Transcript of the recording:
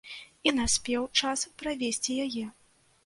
І наспеў час правесці яе.